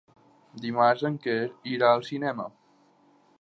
Dimarts en Quer irà al cinema.